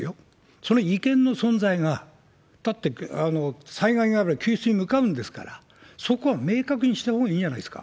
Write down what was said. その意見の存在が、だって災害があれば救出に向かうんですから、そこは明確にしたほうがいいんじゃないですか。